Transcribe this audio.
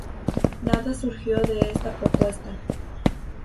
Nada surgió de esta propuesta.